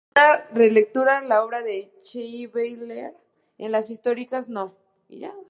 Por una relectura de la obra de Chevalier", en Letras Históricas, no.